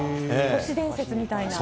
都市伝説みたいな。